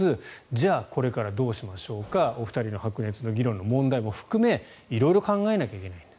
じゃあこれからどうしましょうかお二人の白熱の議論の問題も含めて色々考えないといけない。